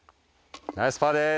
ナイスパーです。